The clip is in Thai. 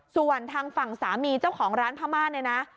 ส่วนทางฝั่งสามีเจ้าของร้านพม่าเนี่ยนะ